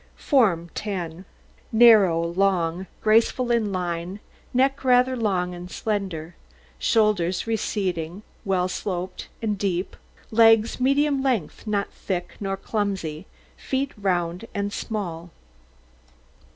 FORM 10 Narrow, long, graceful in line, neck rather long and slender; shoulders receding, well sloped and deep; legs medium length, not thick nor clumsy; feet round and small.